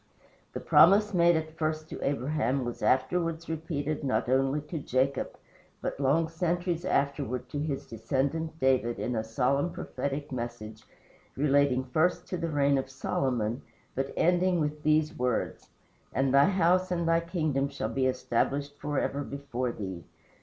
The promise made at first to Abraham was afterwards repeated not only to Jacob, but long centuries afterward to his descendant, David, in a solemn, prophetic message, relating first to the reign of Solomon, but ending with these words: "And thy house and thy kingdom shall be established forever before thee.